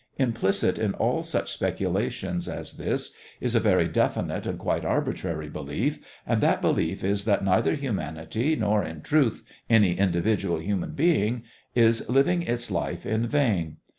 Implicit in all such speculations as this is a very definite and quite arbitrary belief, and that belief is that neither humanity nor in truth any individual human being is living its life in vain.